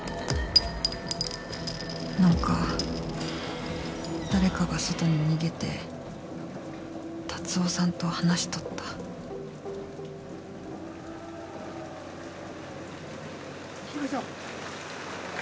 何か誰かが外に逃げて達雄さんと話しとった行きましょう